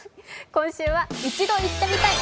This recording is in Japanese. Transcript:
今週は「一度は行ってみたい！